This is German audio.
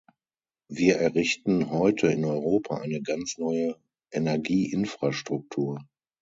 Wir errichten heute in Europa eine ganz neue Energieinfrastruktur.